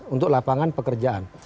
untuk lapangan pekerjaan